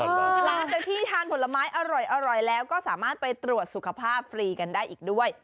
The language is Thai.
หลังจากที่ทานผลไม้อร่อยแล้วก็สามารถไปตรวจสุขภาพฟรีกันได้อีกด้วย